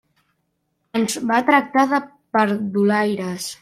Ens va tractar de perdulaires.